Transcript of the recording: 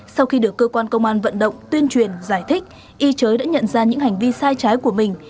sau khi được cơ quan công an vận động tuyên truyền giải thích y chới đã nhận ra những hành vi sai trái của mình